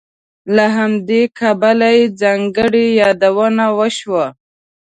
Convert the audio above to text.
له همدې کبله یې ځانګړې یادونه وشوه.